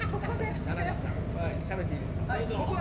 田中さんしゃべっていいですか。